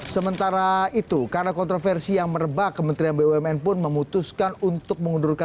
sementara itu karena kontroversi yang merebak kementerian bumn pun memutuskan untuk mengundurkan